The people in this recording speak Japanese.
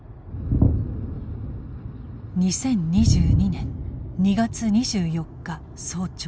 ２０２２年２月２４日早朝。